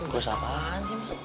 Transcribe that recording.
gak usah paham sih mama